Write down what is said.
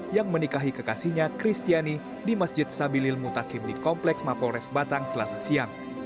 yang menikahi kekasihnya kristiani di masjid sabilil mutakin di kompleks mapolres batang selasa siang